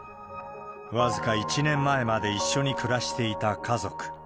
僅か１年前まで一緒に暮らしていた家族。